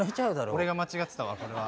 俺が間違ってたわこれは。